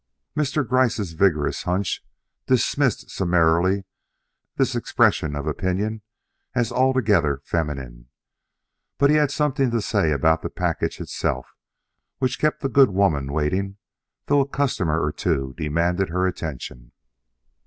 Mr. Gryce's vigorous hunch dismissed summarily this expression of opinion as altogether feminine. But he had something to say about the package itself, which kept the good woman waiting, though a customer or two demanded her attention.